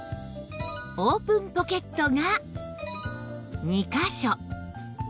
オープンポケットが２カ所